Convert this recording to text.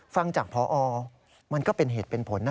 ฟังจากพอมันก็เป็นเหตุเป็นผลนะ